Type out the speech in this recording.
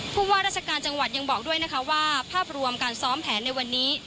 ผู้ว่าราชการจังหวัดยังบอกด้วยนะคะว่าภาพรวมการซ้อมแผนในวันนี้